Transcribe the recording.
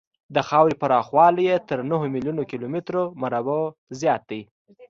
د خاورې پراخوالی یې تر نهو میلیونو کیلومترو مربعو زیات دی.